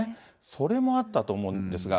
それもあったと思うんですが。